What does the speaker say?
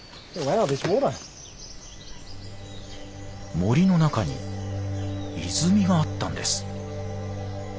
森の中に泉があったんです。